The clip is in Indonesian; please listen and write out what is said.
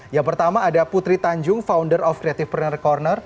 yang pertama ada putri tanjung founder of creative partner corner